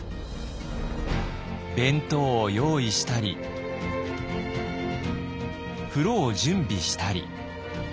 弁当を用意したり風呂を準備したり。